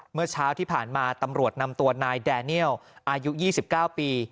เมื่อเช้าที่ผ่านมาตำรวจนำตัวนายแดเนียลอายุ๒๙ปี